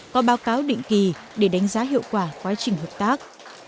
có báo cáo định kỳ để đánh giá hiệu quả quá trình hợp tác